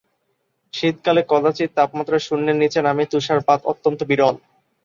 শীতকালে কদাচিৎ তাপমাত্রা শূন্যের নিচে নামে; তুষারপাত অত্যন্ত বিরল।